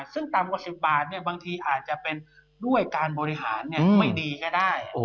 สิ่งต่ำกว่า๑๐บาทตั้งแต่บางทีอาจจะเป็นด้วยการบริหารไม่ดีกันใหญ่